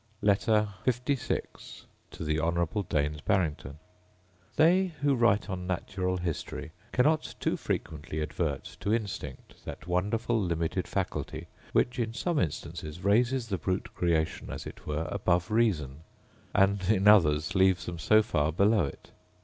Letter LVI To The Honourable Daines Barrington They who write on natural history cannot too frequently advert to instinct, that wonderful limited faculty, which, in some instances, raises the brute creation as it were above reason, and in others leaves them so far below it.